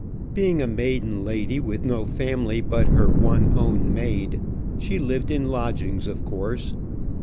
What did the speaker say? Being a maiden lady, with no family but her one own maid, she lived in lodgings of course.